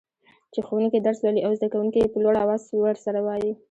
چي ښوونکي درس لولي او زده کوونکي يي په لوړ اواز ورسره وايي.